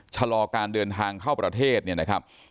ชะลอการเดินทางเข้าประเทศเนี่ยนะครับ